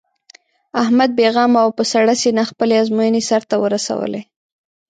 احمد بې غمه او په سړه سینه خپلې ازموینې سر ته ورسولې.